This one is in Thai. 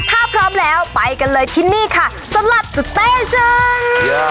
ถ้าพร้อมแล้วไปกันเลยที่นี่ค่ะสลัดสเต้เชิญ